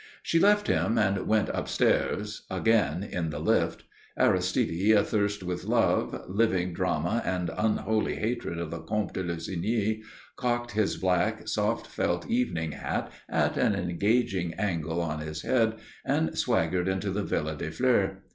She left him and went upstairs again in the lift. Aristide athirst with love, living drama and unholy hatred of the Comte de Lussigny, cocked his black, soft felt evening hat at an engaging angle on his head and swaggered into the Villa des Fleurs.